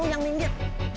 eh kamu yang minggir